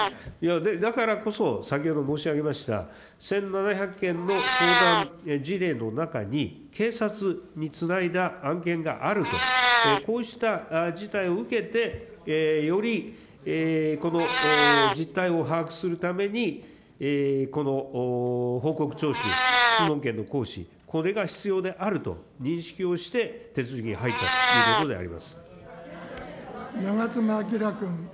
だからこそ、先ほど申し上げました１７００件の相談事例の中に、警察につないだ案件があると、こうした事態を受けて、よりこの実態を把握するために、この報告徴収、質問権の行使、これが必要であると認識をして、手続きに入ったということであり長妻昭君。